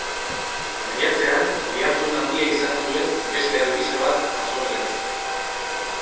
Maiatzean oihartzun handia izan zuen beste albiste bat jazo zen.